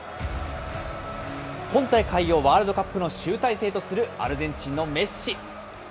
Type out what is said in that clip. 今大会をワールドカップの集大成とする、アルゼンチンのメッシ。